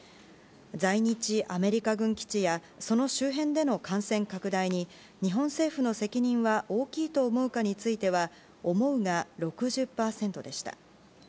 在日アメリカ軍基地やその周辺での感染拡大に日本政府の責任は大きいと思うかについては思うが６０％でした。